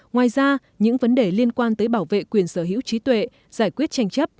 ngoài ra những vấn đề liên quan tới bảo vệ quyền sở hữu trí tuệ giải quyết tranh chấp